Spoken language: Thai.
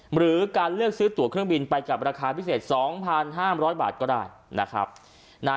หรือการเลือกซื้อตัวเครื่องบินไปกับราคาพิเศษ๒๕๐๐บาทก็ได้นะครับ